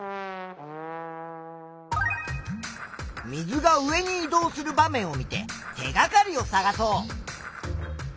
水が上に移動する場面を見て手がかりを探そう。